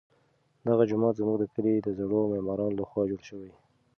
دغه جومات زموږ د کلي د زړو معمارانو لخوا جوړ شوی.